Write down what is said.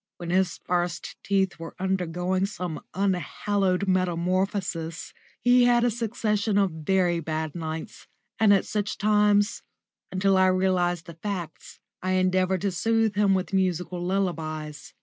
When his first teeth were undergoing some unhallowed metamorphosis he had a succession of very bad nights, and at such times, until I realised the facts, I endeavoured to soothe him with musical lullabies.